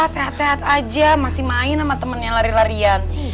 sehat sehat aja masih main sama temennya lari larian